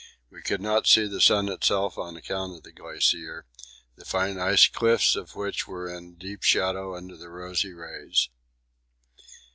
We could not see the sun itself on account of the Glacier, the fine ice cliffs of which were in deep shadow under the rosy rays.